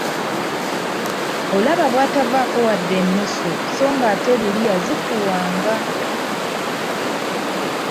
Olaba bw'atavaako wadde ennusu so ng'ate luli yazikuwanga.